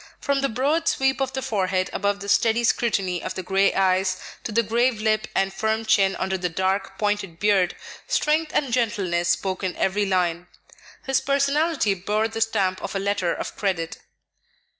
From the broad sweep of the forehead above the steady scrutiny of the gray eyes, to the grave lip and firm chin under the dark, pointed beard, strength and gentleness spoke in every line. His personality bore the stamp of a letter of credit.